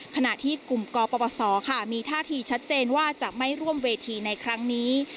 ขณะที่กลุ่มกปศค่ะมีท่าทีชัดเจนว่าจะไม่ร่วมเวทีในครั้งนี้